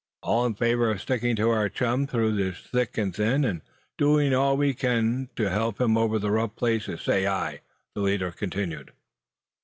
"All in favor of sticking to our chum through thick and thin, and doing all we can to help him over the rough places, say aye!" the leader continued.